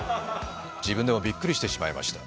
自分でもびっくりしてしまいました。